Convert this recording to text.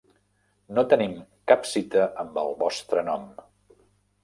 No tenim cap cita amb el vostre nom.